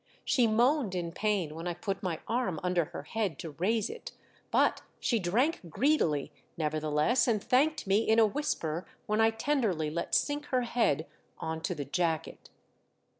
She moaned in pain when I put my arm under her head to raise it ; but she drank greedily, never theless, and thanked me in a whisper when 506 THE DEATH SHIP. I tenderly let sink her head on to the jacket.